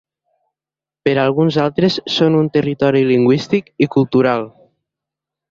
Per alguns altres són un territori lingüístic i cultural.